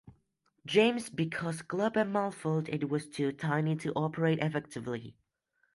James because Glaberman felt it was too tiny to operate effectively.